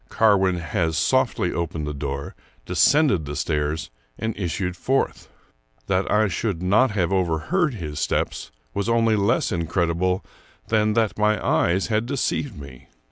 Carwin has softly opened the door, descended the stairs, and issued forth. That I should not have overheard his steps was only less incredible than that my eyes had deceived me.